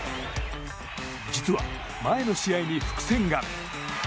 実は、前の試合に伏線が。